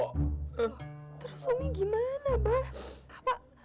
terus umi gimana mba